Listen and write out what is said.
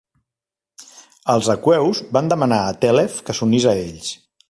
Els aqueus van demanar a Tèlef que s'unís a ells.